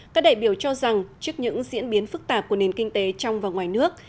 các đại biểu cho rằng trước những diễn biến phức tạp của nền kinh tế trong và ngoài nước